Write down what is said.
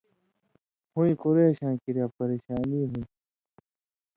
ہُوۡیں قُرېشاں کِریا پریۡشانی ہُون٘دیۡ،